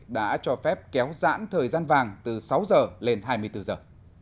đã cho phép kéo dãn thời gian vàng từ sáu giờ lên hai mươi bốn giờ